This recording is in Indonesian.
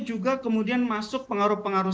juga kemudian masuk pengaruh pengaruh